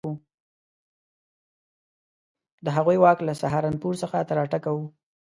د هغوی واک له سهارنپور څخه تر اټک وو.